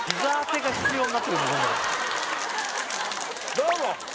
どうも！